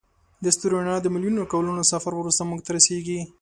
د ستوري رڼا د میلیونونو کلونو سفر وروسته موږ ته رسیږي.